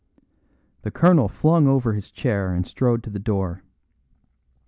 The colonel flung over his chair and strode to the door.